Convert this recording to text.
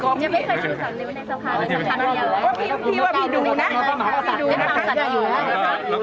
ก่อนคุณเกี้ยเรื่องไหนอีกค่ะ